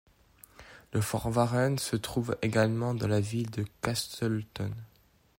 Le Fort Warren se trouve également dans la ville de Castleton.